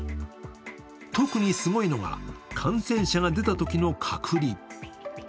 特にすごいのが、感染者が出たときの隔離。